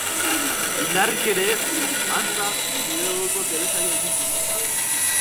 Indarrik ere ez, antza, bere gogoko telesaila ikusteko.